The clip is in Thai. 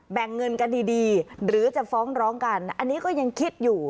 แบ่งเงินกันดีดีหรือจะฟ้องร้องกันอันนี้ก็ยังคิดอยู่